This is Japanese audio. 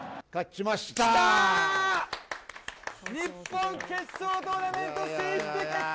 きたー、日本決勝トーナメント進出決定！